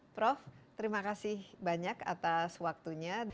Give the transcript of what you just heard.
prof terima kasih banyak atas waktunya